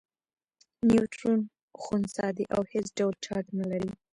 نیوټرون خنثی دی او هیڅ ډول چارچ نلري.